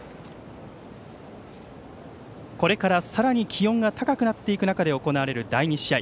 これからさらに気温が高くなっていく中で行われる第２試合。